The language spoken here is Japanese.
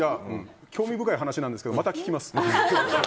興味深い話なんですけどまた聞きます。